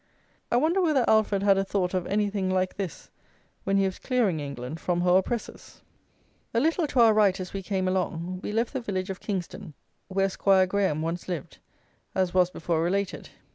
I wonder whether Alfred had a thought of anything like this when he was clearing England from her oppressors? A little to our right, as we came along, we left the village of Kingston, where 'Squire Græme once lived, as was before related.